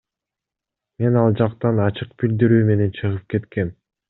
Мен ал жактан ачык билдирүү менен чыгып кеткем.